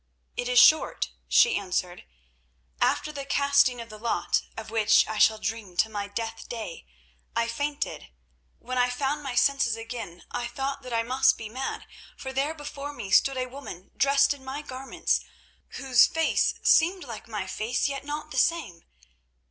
"It is short," she answered. "After the casting of the lot, of which I shall dream till my death day, I fainted. When I found my senses again I thought that I must be mad, for there before me stood a woman dressed in my garments, whose face seemed like my face, yet not the same.